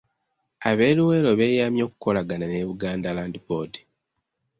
Ab'e Luweero beeyamye okukolagana ne Buganda Land Board.